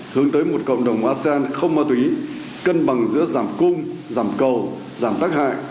hướng tới một cộng đồng asean không ma túy cân bằng giữa giảm cung giảm cầu giảm tác hại